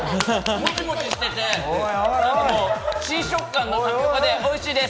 もちもちしていて、新食感のタピオカでおいしいです。